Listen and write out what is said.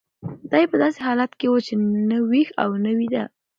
دی په داسې حالت کې و چې نه ویښ و او نه ویده.